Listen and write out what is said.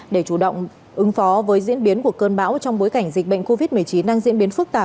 để chủ động ứng phó với diễn biến của cơn bão trong bối cảnh dịch bệnh covid một mươi chín đang diễn biến phức tạp